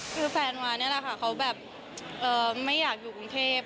คือแฟนมานี่แหละค่ะเขาแบบไม่อยากอยู่กรุงเทพ